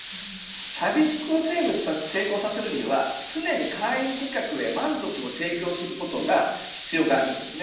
サブスクサービスを成功させるには常に会員顧客へ満足を提供することが必要になります。